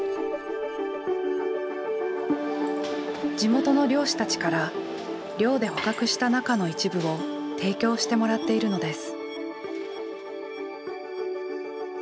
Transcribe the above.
地元の漁師たちから漁で捕獲した中の一部を提供してもらっているのです。